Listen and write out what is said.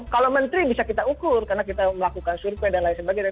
kalau menteri bisa kita ukur karena kita melakukan survei dan lain sebagainya